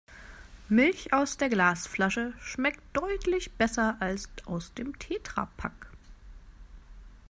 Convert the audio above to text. Milch aus der Glasflasche schmeckt deutlich besser als aus dem Tetrapack.